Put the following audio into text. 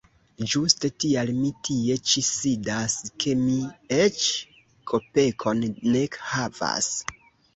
Ĝuste tial mi tie ĉi sidas, ke mi eĉ kopekon ne havas.